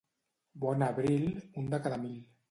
Bon abril, un de cada mil.